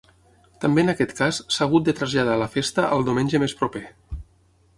També en aquest cas s'ha hagut de traslladar la festa al diumenge més proper.